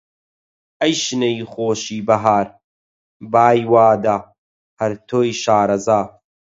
ئەی شنەی خۆشی بەهار، بای وادە! هەر تۆی شارەزا